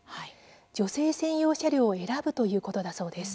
女性専用車両を選ぶということだそうです。